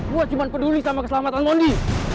gue cuma peduli sama keselamatan mondi